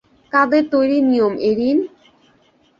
কাদের তৈরি নিয়ম এরিন?